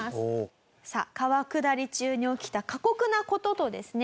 さあ川下り中に起きた過酷な事とですね